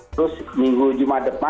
terus minggu jumat depan